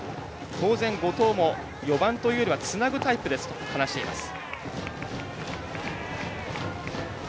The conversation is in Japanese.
当然、後藤も４番というよりはつなぐタイプですと話しています。